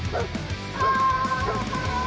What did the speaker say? sampai jumpa lagi